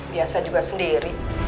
biasa juga sendiri